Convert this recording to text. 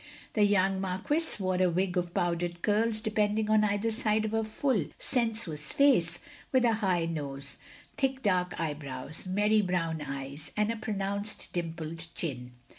The young Marquis wore a wig of powdered curls depending on either side of a full, sensuous face, with a high nose, thick dark eyebrows, merry brown eyes, and a pronounced dimpled chin.